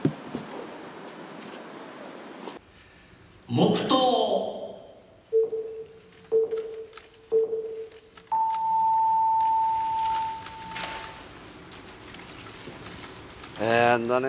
黙とうあれだね